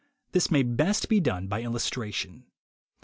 This may best be done by illustration.